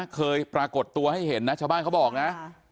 เคยปรากฏตัวให้เห็นนะชาวบ้านเขาบอกนะ